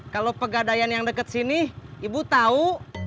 kalau pegadaian yang dekat sini ibu tahu